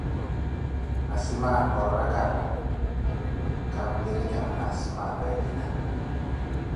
Asimaana oorakala khanvirikana na asimaana akina.